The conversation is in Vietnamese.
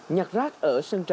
nhặt rác ở sơn trà